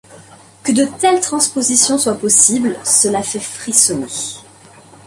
Que de telles transpositions soient possibles, cela fait frissonner.